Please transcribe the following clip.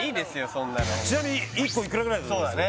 そんなのちなみに１個いくらぐらいだと思います？